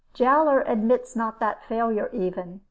Jowler admits not that failure even.